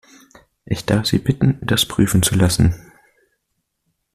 Ich darf Sie bitten, das prüfen zu lassen.